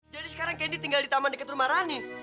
jadi sekarang candy tinggal di taman dekat rumah rani